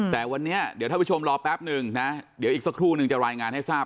แต่วันนี้เดี๋ยวท่านผู้ชมรอแป๊บนึงนะเดี๋ยวอีกสักครู่นึงจะรายงานให้ทราบ